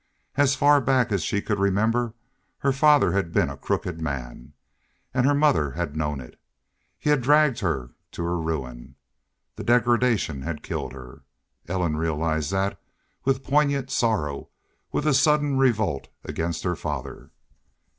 As far back as she could remember her father had been a crooked man. And her mother had known it. He had dragged her to her ruin. That degradation had killed her. Ellen realized that with poignant sorrow, with a sudden revolt against her father.